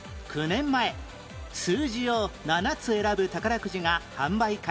９年前数字を７つ選ぶ宝くじが販売開始